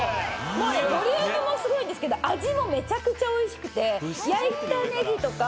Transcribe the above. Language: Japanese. ボリュームもすごいんですけど味もめちゃくちゃおいしくて焼いたネギとか。